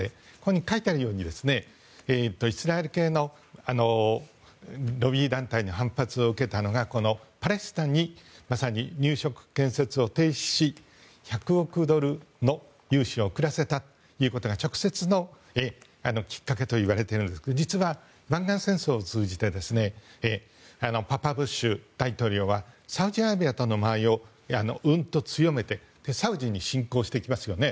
書いてあるようにイスラエル系のロビー団体の反発を受けたのがこのパレスチナに入植地建設を停止し１００億ドルの融資を遅らせたということが直接のきっかけといわれているんですが実は、湾岸戦争を通じてパパブッシュ大統領はサウジアラビアとの間合いをうんと強めてサウジに侵攻してきますよね。